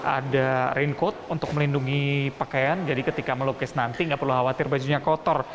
ada raincoat untuk melindungi pakaian jadi ketika melukis nanti tidak perlu khawatir bajunya kotor